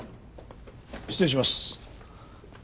失礼します。